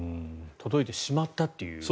届いてしまったと。